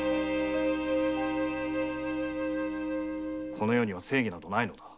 この世に正義などない。